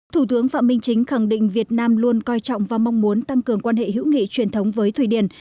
thủ tướng phạm minh chính khẳng định việt nam luôn coi trọng và mong muốn tăng cường quan hệ hữu nghị truyền thống với thụy điển